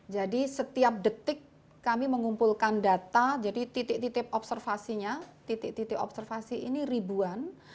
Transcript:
jadi setiap detik kami mengumpulkan data jadi titik titik observasinya titik titik observasi ini ribuan